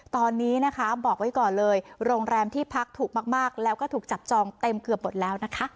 ตอนนี้นะคะบอกไว้ก่อนเลยโรงแรมที่พักถูกมากแล้วก็ถูกจับจองเต็มเกือบหมดแล้วนะคะ